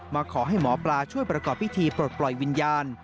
มาขอให้หมอปลาช่วยประกอบพิธีปลดปล่อยวิญญาณ